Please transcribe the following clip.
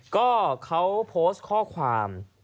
ก็เขาโพสต์ข้อความ